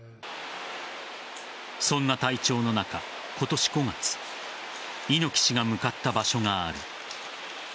そんな体調の中、今年５月猪木氏が向かった場所がある。